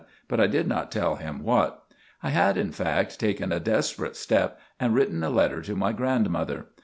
But I did not tell him what. I had, in fact, taken a desperate step and written a letter to my grandmother.